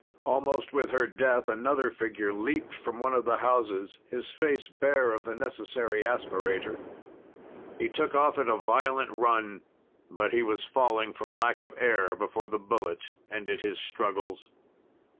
Almost with her death, another figure leaped from one of the houses, his face bare of the necessary aspirator. He took off at a violent run, but he was falling from lack of air before the bullet ended his struggles.